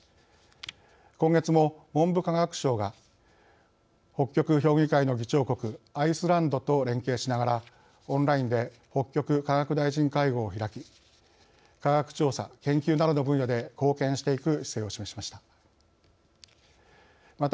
今月も文部科学省が北極評議会の議長国アイスランドと連携しながらオンラインで北極科学大臣会合を開き科学調査・研究などの分野で貢献していく姿勢を示しました。